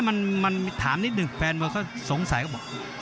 มันถามนิดนึงแฟนมือเขาสงสัยก็บอก